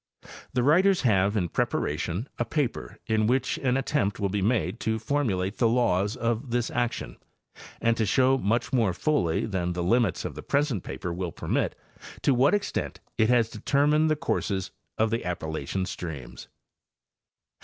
The writers have in preparation a paper in which an attempt will be made to formulate the laws of this action and to show much more fully than the limits of the present paper will permit to what extent it has determined the courses of the Appalachian streams.